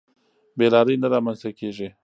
بې لارۍ نه رامنځته کېږي.